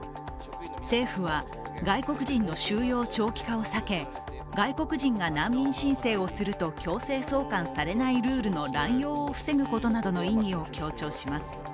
政府は、外国人の収容長期化を避け外国人が難民申請をすると強制送還されないルールの乱用を防ぐことなどの意義を強調します。